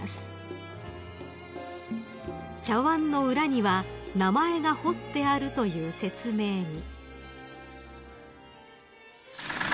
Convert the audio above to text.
［茶わんの裏には名前が彫ってあるという説明に］